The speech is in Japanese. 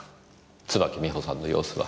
椿美穂さんの様子は。